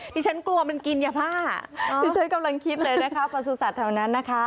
ฉันกลัวมันกินยาบ้าที่ฉันกำลังคิดเลยนะคะประสุทธิ์แถวนั้นนะคะ